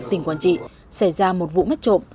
tỉnh quảng trị xảy ra một vụ mất trộm